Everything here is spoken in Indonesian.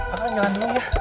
aku nyalah dulu ya